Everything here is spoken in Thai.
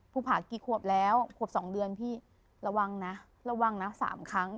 ผ่ากี่ขวบแล้วขวบ๒เดือนพี่ระวังนะระวังนะ๓ครั้ง